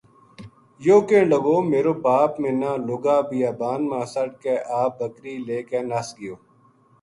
یوہ کہن لگو میرو باپ منّا لُگا بیابان ما سَٹ کے آپ بکری لے کے نس گیو